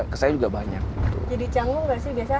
ke saya juga banyak jadi canggung nggak sih